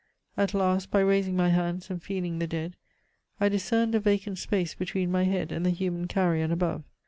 At last, by raising my hands and feeling the dead, I discerned a vacant space between my head and the human carrion above.